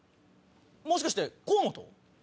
もしかして河本？